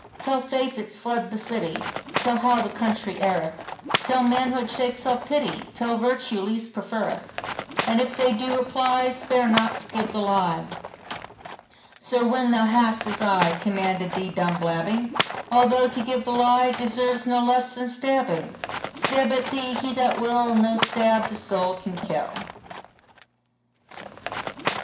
Tell faith it's fled the city; Tell how the country erreth; Tell, manhood shakes off pity; Tell, virtue least preferreth:And if they do reply, Spare not to give the lie. So when thou hast, as ICommanded thee, done blabbing,—Although to give the lieDeserves no less than stabbing,—Stab at thee he that will, No stab the soul can kill.